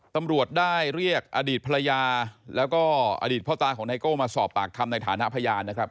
ตำรวจได้เรียกอดีตภรรยาแล้วก็อดีตพ่อตาของไนโก้มาสอบปากคำในฐานะพยานนะครับ